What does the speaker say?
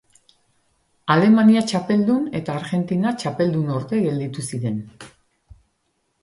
Alemania txapeldun eta Argentina txapeldunorde gelditu ziren.